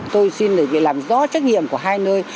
tôi xin để làm rõ trách nhiệm của hai nơi